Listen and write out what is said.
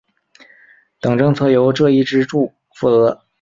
等政策由这一支柱负责。